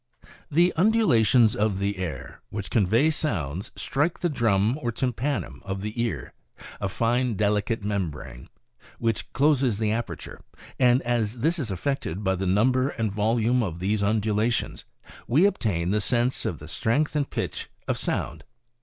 The undulations of the air which convey sounds strike the drum or tympanum of the ear, a fine, delicate membrane, which closes the aperture, and as this is affected by the number and volume of these undulations, we obtain the sense of the strength and pitch of sound.